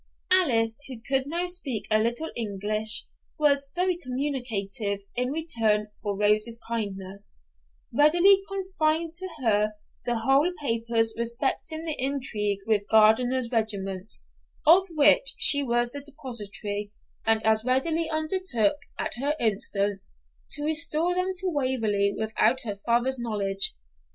Alice, who could now speak a little English, was very communicative in return for Rose's kindness, readily confided to her the whole papers respecting the intrigue with Gardiner's regiment, of which she was the depositary, and as readily undertook, at her instance, to restore them to Waverley without her father's knowledge.